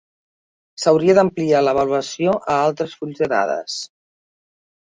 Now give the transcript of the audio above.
S'hauria d'ampliar l'avaluació a altres fulls de dades.